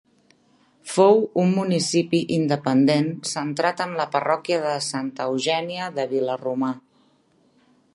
Fou un municipi independent centrat en la parròquia de Santa Eugènia de Vila-romà.